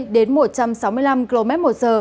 đến một trăm sáu mươi năm km một giờ